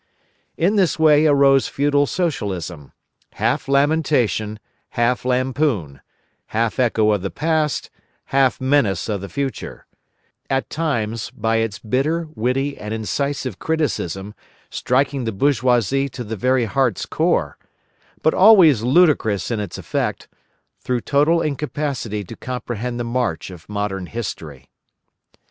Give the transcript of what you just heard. In this way arose Feudal Socialism: half lamentation, half lampoon; half echo of the past, half menace of the future; at times, by its bitter, witty and incisive criticism, striking the bourgeoisie to the very heart's core; but always ludicrous in its effect, through total incapacity to comprehend the march of modern history.